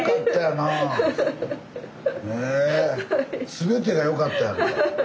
全てがよかったやんか。